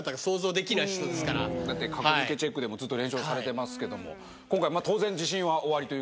『格付けチェック』でもずっと連勝されてますけども今回。